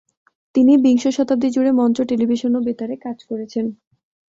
তিনি বিংশ শতাব্দী জুড়ে মঞ্চ, টেলিভিশন ও বেতারে কাজ করেছেন।